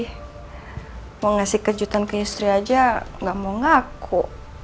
kalau ngasih kejutan ke istri aja gak mau ngaku